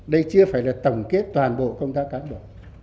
đây chưa phải là tổng kết toàn bộ công tác cán bộ